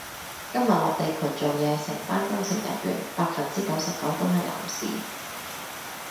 今日落地盤做嘢，成班工程人員百分之九十九都係男士